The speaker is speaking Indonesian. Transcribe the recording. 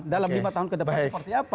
dalam lima tahun ke depan seperti apa